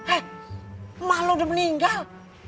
eh emak lu udah meninggal